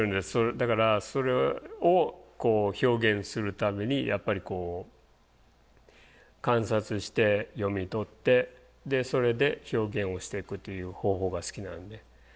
だからそれをこう表現するためにやっぱりこう観察して読み取ってそれで表現をしていくという方法が好きなんで。